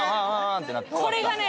これがね